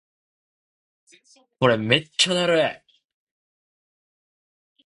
これめっちゃだるい